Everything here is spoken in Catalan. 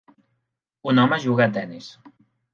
Un home juga a tennis.